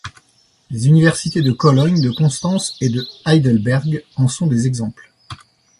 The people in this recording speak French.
Les universités de Cologne, de Constance et de Heidelberg en sont des exemples.